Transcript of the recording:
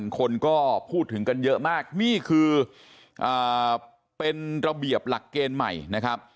คนก็พูดถึงกันเยอะมากนี่คือเป็นระเบียบหลักเกณฑ์ใหม่นะครับ